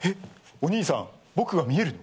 お兄さん、僕が見えるの？